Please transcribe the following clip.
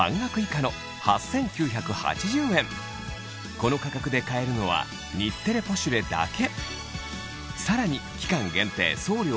この価格で買えるのは『日テレポシュレ』だけ！